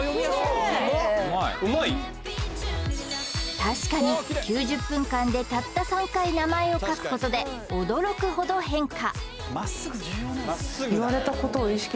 確かに９０分間でたった３回名前を書くことで驚くほど変化